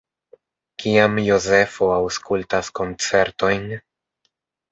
Kiam Jozefo aŭskultas koncertojn?